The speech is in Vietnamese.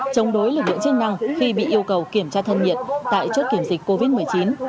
chống đối lực lượng chức năng khi bị yêu cầu kiểm tra thân nhiệt tại chốt kiểm dịch covid một mươi chín